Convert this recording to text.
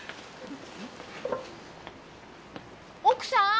奥さーん！